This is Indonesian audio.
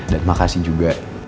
dan makasih juga